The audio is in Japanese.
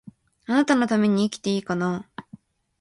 貴方のために生きていいかな